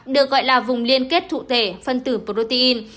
được gọi là vùng liên kết cụ thể phân tử protein